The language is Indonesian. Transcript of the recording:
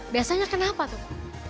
biasanya kenapa tuh